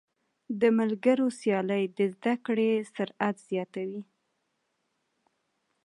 د ملګرو سیالۍ د زده کړې سرعت زیاتوي.